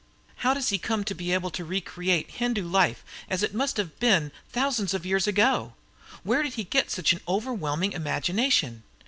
How does he come to be able to re create Hindu life as it must have been thousands of years ago? Where did he get such an overwhelming imagination?